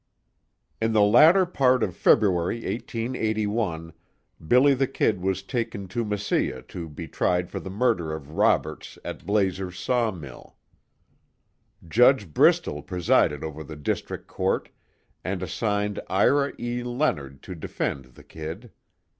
In the latter part of February, 1881, "Billy the Kid" was taken to Mesilla to be tried for the murder of Roberts at Blazer's saw mill. Judge Bristol presided over the District Court, and assigned Ira E. Leonard to defend the "Kid."